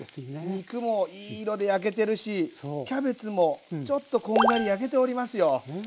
肉もいい色で焼けてるしキャベツもちょっとこんがり焼けておりますよ。